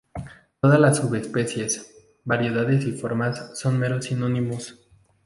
Todas las subespecies, variedades y formas son meros sinónimos.